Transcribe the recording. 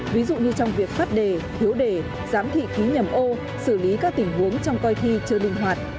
ví dụ như trong việc phát đề thiếu đề giám thị khí nhầm ô xử lý các tình huống trong coi thi chưa linh hoạt